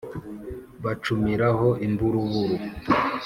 bacumiraho imburuburu,